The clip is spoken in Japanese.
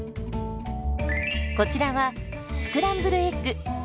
こちらはスクランブルエッグ。